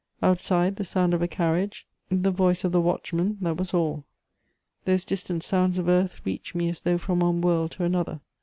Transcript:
Outside, the sound of a carriage, the voice of the watchman: that was all; those distant sounds of earth reached me as though from one world to another.